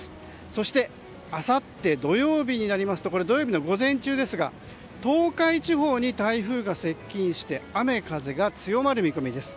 そして、あさって土曜日になると土曜日の午前中ですが東海地方に台風が接近して雨風が強まる見込みです。